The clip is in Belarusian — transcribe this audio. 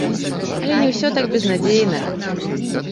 Але не ўсё так безнадзейна.